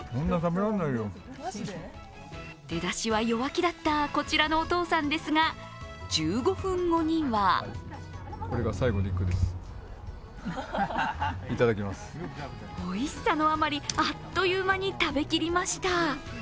出だしは弱気だった、こちらのお父さんですが、１５分後にはおいしさの余り、あっという間に食べきりました。